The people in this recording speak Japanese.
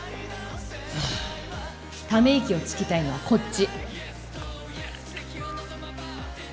ため息をつきたいのはこっち。